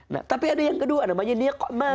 nah tapi ada yang kedua namanya ni'mat